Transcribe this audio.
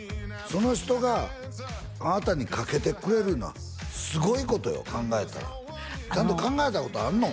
その人があなたにかけてくれるいうのはすごいことよ考えたらちゃんと考えたことあんの？